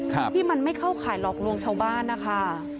ที่มันไม่เข้าข่ายหลอกลวงชาวบ้านนะคะ